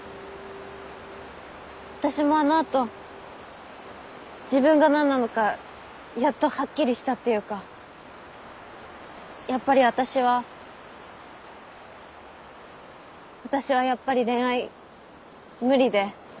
私もあのあと自分が何なのかやっとはっきりしたっていうかやっぱり私は私はやっぱり恋愛無理で。